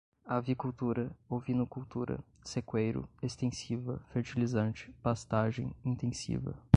avicultura, ovinocultura, sequeiro, extensiva, fertilizante, pastagem, intensiva